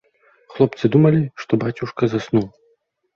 Хлопцы думалі, што бацюшка заснуў.